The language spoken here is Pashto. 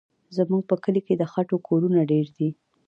زموږ په کلي کې د خټو کورونه ډېر دي.